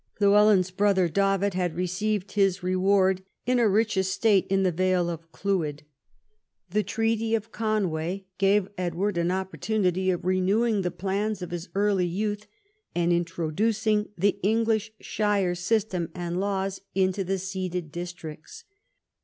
Llywelyn's brother David had received his reward in a rich estate in the vale of Clwyd. The Treaty of Conway gave Edward an oppor tunity of renewing the plans of his early youth, and introducing the English shire system and laws into the VI THE CONQUEST OF TPIE PRINCIPALITY 111 ceded districts.